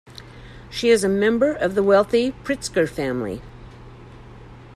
She is a member of the wealthy Pritzker family.